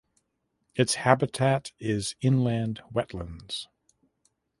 Its habitat is inland wetlands.